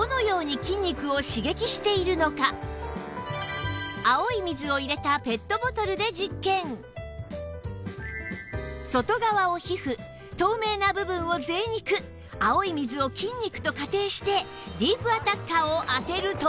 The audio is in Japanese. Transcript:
では実際に青い水を入れた外側を皮膚透明な部分をぜい肉青い水を筋肉と仮定してディープアタッカーを当てると